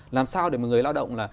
làm sao để người lao động là